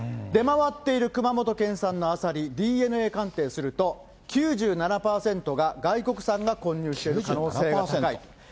出回っている熊本県産のアサリ、ＤＮＡ鑑定すると、９７％が外国産が混入している可能性が高い。